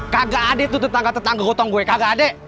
kagak adek tuh tetangga tetangga gotong gue kagak adek